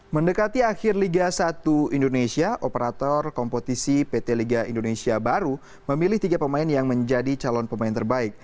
mendekati akhir liga satu indonesia operator kompetisi pt liga indonesia baru memilih tiga pemain yang menjadi calon pemain terbaik